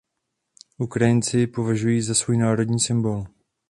Ukrajinci ji považují za svůj národní symbol.